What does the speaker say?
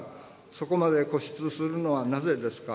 そこまで固執するのはなぜですか。